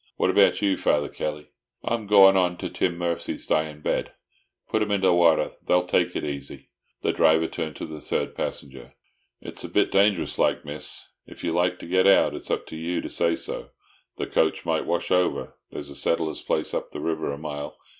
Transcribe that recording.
"What about you, Father Kelly?" "I'm go'n on to Tim Murphy's dyin' bed. Put 'em into the wather, they'll take it aisy." The driver turned to the third passenger. "It's a bit dangerous like, Miss. If you like to get out, it's up to you to say so. The coach might wash over. There's a settler's place up the river a mile.